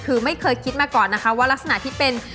คือไม่เคยคิดมาก่อนนะคะว่ารักษณะที่เป็น